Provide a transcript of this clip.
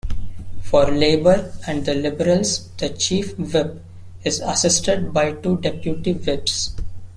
For Labor and the Liberals, the chief whip is assisted by two deputy whips.